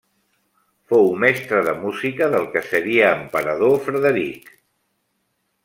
Fou mestre de música del que seria emperador Frederic.